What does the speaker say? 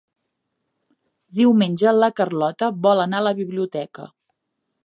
Diumenge na Carlota vol anar a la biblioteca.